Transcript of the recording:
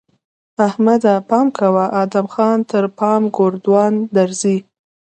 احمده! پام کوه؛ ادم خان تر پام ګوروان درځي!